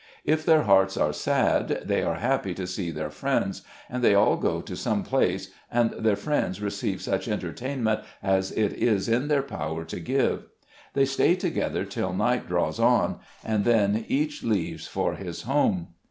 If their hearts are sad, they are happy to see their friends, and they all go to some place, and their friends receive such entertainment as it is in their power to give. They stay together till night draws on, and then each leaves for his home.